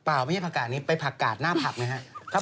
ไม่ใช่ผักกาดนี้ไปผักกาดหน้าผับนะครับ